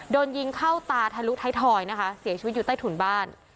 โดนยิงเข้าตาทะลุท้ายทอยนะคะเสียชีวิตอยู่ใต้ถุนบ้าน